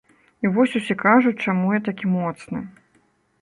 І вось усе кажуць, чаму я такі моцны.